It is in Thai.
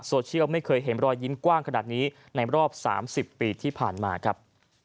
โซเชียลไม่เคยเห็นรอยยิ้มกว้างขนาดนี้ในรอบ๓๐ปีที่ผ่านมาครับ